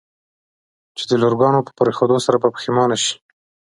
چې د لوکارنو په پرېښودو سره به پښېمانه شې.